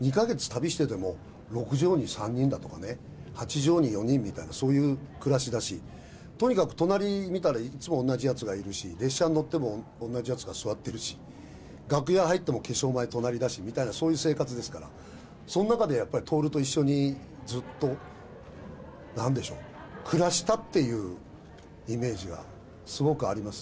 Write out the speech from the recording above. ２か月旅してても、６畳に３人だとかね、８畳に４人とか、そういう暮らしだし、とにかく隣見たら、いつも同じやつがいるし、列車に乗っても、同じやつが座ってるし、楽屋入っても、化粧前隣だしみたいなそういう生活ですから、その中でやっぱり徹と一緒にずっと、なんでしょう、暮らしたっていうイメージがすごくあります。